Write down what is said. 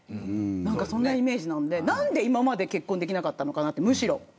そんなイメージなんでむしろ、なんで今まで結婚できなかったのかなと。